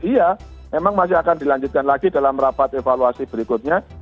iya memang masih akan dilanjutkan lagi dalam rapat evaluasi berikutnya